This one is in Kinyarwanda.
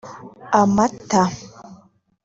amata